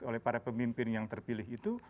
oleh para pemimpin yang terpilih itu